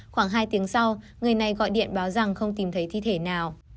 khoảng hai tiếng sau người này gọi điện báo rằng không tìm thấy thi thể nào